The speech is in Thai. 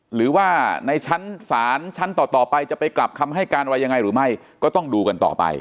หรือว่าในชั้นศาลชั้นต่อไปจะไปกลับคำให้การอะไรยังไงหรือไม่ก็ต้องดูกันต่อไป